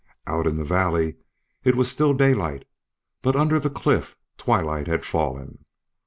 Out in the valley it was still daylight, but under the cliff twilight had fallen.